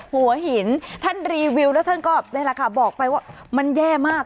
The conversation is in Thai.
หัวหินท่านรีวิวแล้วท่านก็นี่แหละค่ะบอกไปว่ามันแย่มาก